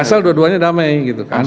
asal dua duanya damai gitu kan